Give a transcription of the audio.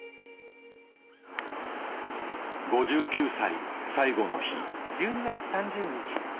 ５９歳最後の日。